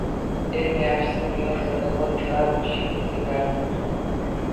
Eng yaxshisi meva-sabzavot g'arq pishib yetilgani